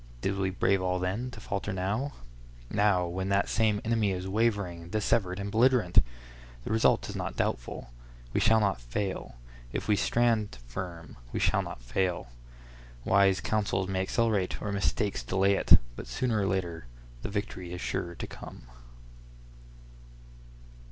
Did we brave all then, to falter now?—now, when that same enemy is wavering, dissevered, and belligerent! The result is not doubtful. We shall not fail—if we stand firm, we shall not fail. Wise counsels may accelerate, or mistakes delay it; but, sooner or later, the victory is sure to come.